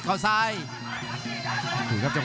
รับทราบบรรดาศักดิ์